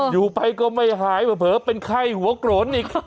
อยู่ไปก็ไม่หายเผลอเป็นไข้หัวโกรนอีก